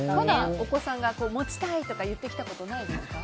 お子さんが持ちたいとか言ってきたことないですか？